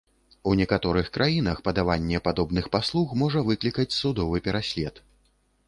У некаторых краінах падаванне падобных паслуг можа выклікаць судовы пераслед.